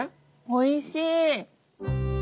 おいしい！